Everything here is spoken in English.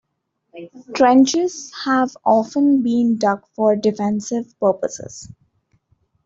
Trenches have often been dug for defensive purposes.